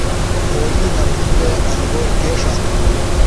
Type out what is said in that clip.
پھوئی لمُنی انگور کے ݜاتوۡ؟